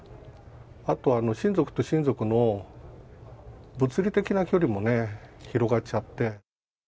あと親族と親族の物理的な距離もね、広がっちゃって。